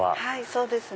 そうですね。